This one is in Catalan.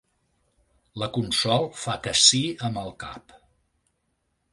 La Consol fa que sí amb el cap.